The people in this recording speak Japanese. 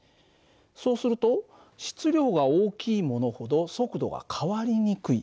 そうすると質量が大きいものほど速度が変わりにくい。